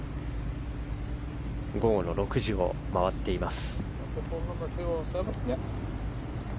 午後の６時を回っています。